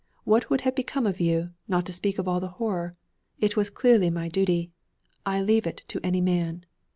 What would have become of you, not to speak of all the horror? It was clearly my duty. I leave it to any man.'